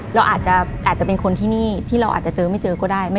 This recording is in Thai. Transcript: เราอาจจะเป็นคนที่นี่ที่เราอาจจะเจอไม่เจอก็ได้